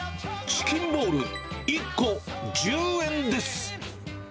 チキンボール１個１０円です。